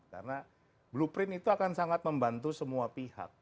karena blueprint itu akan sangat membantu semua pihak